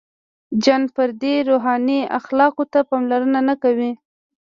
• جن فردي روحاني اخلاقو ته پاملرنه نهکوي.